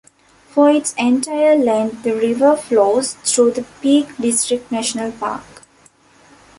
For its entire length the river flows through the Peak District National Park.